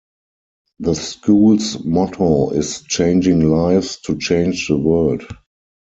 The school's motto is "Changing Lives to Change the World".